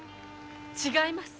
違います。